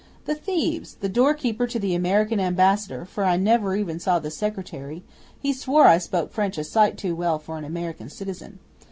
The thieves! The door keeper to the American Ambassador for I never saw even the Secretary he swore I spoke French a sight too well for an American citizen.